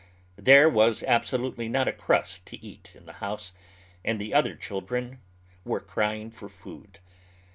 There was absolutely not a crust to eat in the house, and the otiier children were crying for food.